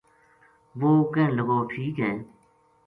وہ کہن لگو ٹھیک ہے